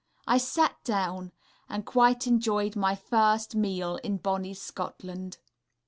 I sat down, and quite enjoyed my first Scotch meal in Bonnie Scotland....